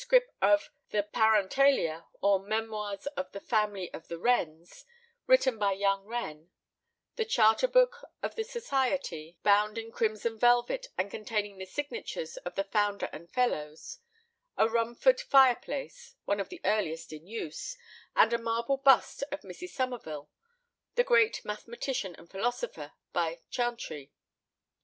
of the Parentalia, or Memoirs of the Family of the Wrens, written by young Wren; the charter book of the society, bound in crimson velvet, and containing the signatures of the founder and fellows; a Rumford fireplace, one of the earliest in use; and a marble bust of Mrs. Somerville, the great mathematician and philosopher, by Chantrey.